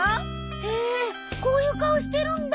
へえこういう顔してるんだ。